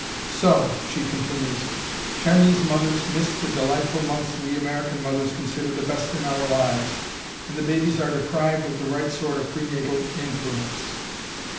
"So," she continues, "Chinese mothers miss the delightful months we American mothers consider the best in our lives, and the babies are deprived of the right sort of pre natal influence."